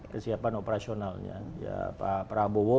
kesiapan operasionalnya ya pak prabowo